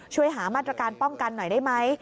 ช่วยหามาตรการป้องกันหน่อยได้ไหม